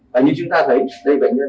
và như chúng ta thấy đây là bệnh nhân